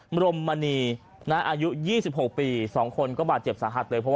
มรมมะนีนะอายุยี่สิบหกปีสองคนก็บาดเจ็บสาหัสเลยเพราะ